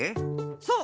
そう。